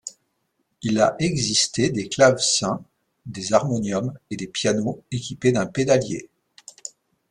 Il a existé des clavecins, des harmoniums et des pianos équipés d'un pédalier.